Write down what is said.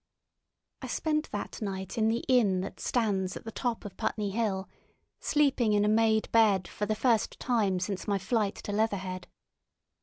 I spent that night in the inn that stands at the top of Putney Hill, sleeping in a made bed for the first time since my flight to Leatherhead.